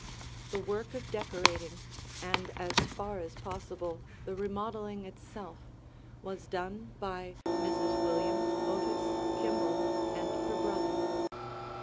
The work of decorating, and, as far as possible, the remodeling itself, was done by Mrs. William Otis Kimball and her brother.